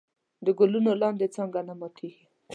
د ګلونو لاندې څانګه نه ماتېږي.